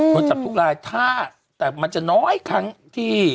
โดนจับทุกลายถ้าแต่มันจะน้อยครั้งที่